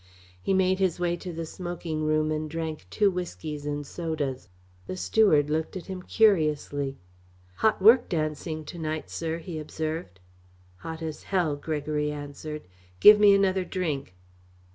He made his way to the smoking room and drank two whiskies and sodas. The steward looked at him curiously. "Hot work dancing to night, sir," he observed. "Hot as hell," Gregory answered. "Give me another drink."